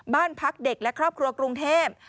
บ้านพักเด็กและครอบครัวกรุงเทพ